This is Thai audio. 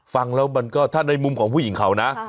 ฟังแล้วมันก็ถ้าในมุมของผู้หญิงเขานะ